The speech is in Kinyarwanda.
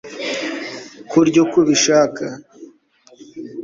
kurya uko ubishaka